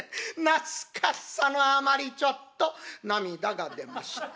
懐かしさのあまりちょっと涙が出ました。